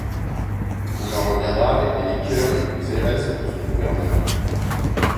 Il en reviendra avec des liqueurs et du xérès pour son Gouverneur.